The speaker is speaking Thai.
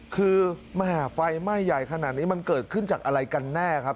คือแม่ไฟไหม้ใหญ่ขนาดนี้มันเกิดขึ้นจากอะไรกันแน่ครับ